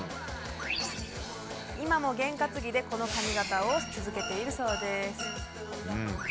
今も験担ぎで、この髪形をし続けているそうです。